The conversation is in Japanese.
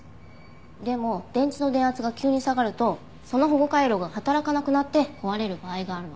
でも電池の電圧が急に下がるとその保護回路が働かなくなって壊れる場合があるの。